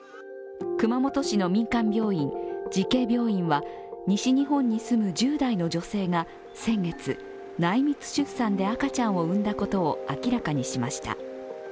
熊本市の民間病院、慈恵病院は西日本に住む１０代の女性が先月、内密出産で赤ちゃんを産んだことを明らかにしました。